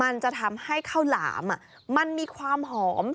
มันจะทำให้ข้าวหลามมันมีความหอม